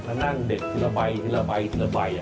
ถ้านั่งเด็ดทีละใบทีละใบทีละใบ